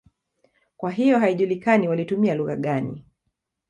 Kwa hiyo haijulikani walitumia lugha gani.